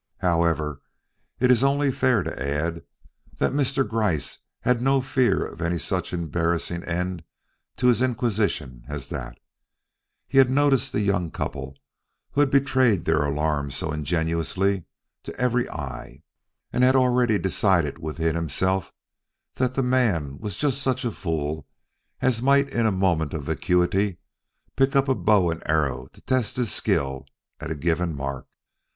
However, it is only fair to add that Mr. Gryce had no fear of any such embarrassing end to his inquisition as that. He had noticed the young couple who had betrayed their alarm so ingenuously to every eye, and had already decided within himself that the man was just such a fool as might in a moment of vacuity pick up a bow and arrow to test his skill at a given mark.